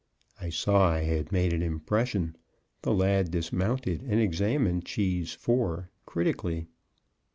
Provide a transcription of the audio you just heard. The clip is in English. I saw I had made an impression; the lad dismounted, and examined Cheese IV, critically.